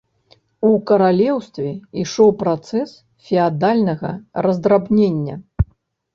У каралеўстве ішоў працэс феадальнага раздрабнення.